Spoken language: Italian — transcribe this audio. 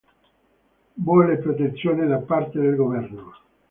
Vuole protezione da parte del governo.